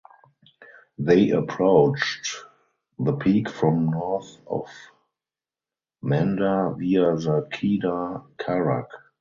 They approached the peak from north of Manda via the Kedar Kharak.